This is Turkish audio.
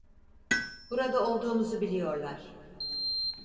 Burada olduğumuzu biliyorlar.